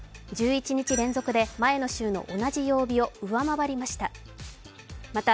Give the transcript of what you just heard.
１１日連続で前の週の同じ曜日を上回りました。